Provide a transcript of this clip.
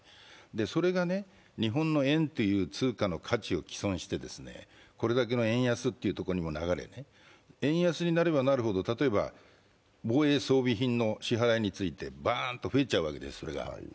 それが日本の円の価値を毀損してこれだけの円安というところにも流れて円安になればなるほど、例えば防衛装備品の支払いがバーンと増えちゃうわけです。